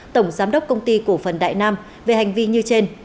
tổng giám đốc công ty cổ phần đại nam về hành vi như trên